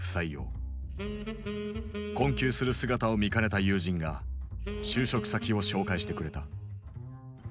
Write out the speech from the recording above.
困窮する姿を見かねた友人が就職先を紹介してくれた。